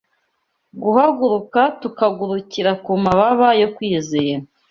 guhaguruka tukagurukira ku mababa yo kwizera